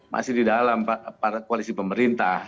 masih di dalam koalisi pemerintah